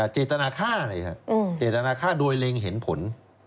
เจตนาฆ่าเลยครับเจตนาฆ่าโดยเล็งเห็นผล